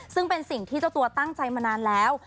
ซึ่งเป็นสิ่งที่เจ้าตัวตั้งใจมานานแล้ว